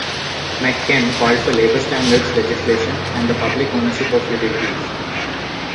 McKim called for labour standards legislation and the public ownership of utilities.